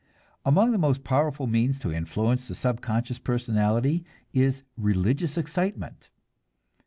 Among the most powerful means to influence the subconscious personality is religious excitement.